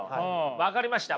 分かりました。